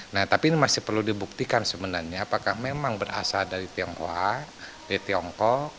nah tapi ini masih perlu dibuktikan sebenarnya apakah memang berasal dari tionghoa di tiongkok